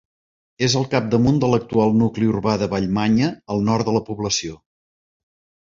És al capdamunt de l'actual nucli urbà de Vallmanya, al nord de la població.